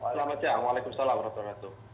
selamat siang waalaikumsalam wr wb